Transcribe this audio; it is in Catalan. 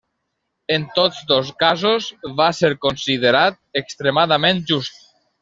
En tots dos casos va ser considerat extremadament just.